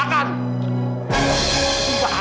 lama banget sih ini makanannya